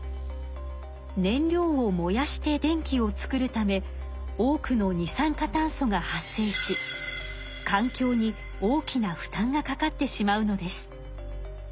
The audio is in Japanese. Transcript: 燃料を燃やして電気を作るため多くの二酸化炭素が発生し環境に大きな負担がかかってしまうのです。